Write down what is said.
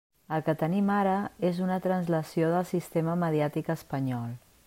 El que tenim ara és una translació del sistema mediàtic espanyol.